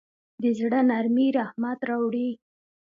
د زړه نرمي رحمت راوړي.